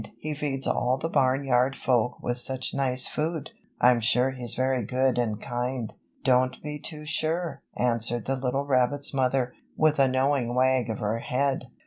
He feeds all the Barn Yard Folk with such nice food. I'm sure he's very good and kind." "Don't be too sure," answered the little rabbit's mother, with a knowing wag of her head.